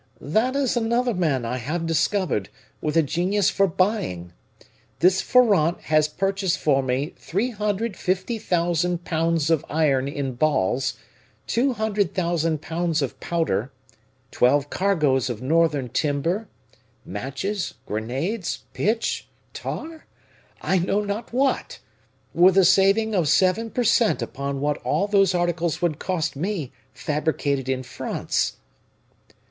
"That is another man I have discovered, with a genius for buying. This Forant has purchased for me 350,000 pounds of iron in balls, 200,000 pounds of powder, twelve cargoes of Northern timber, matches, grenades, pitch, tar I know not what! with a saving of seven per cent upon what all those articles would cost me fabricated in France."